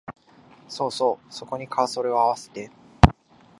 そうそう、そこにカーソルをあわせて